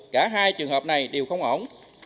cả hai trường hợp này đều không ổn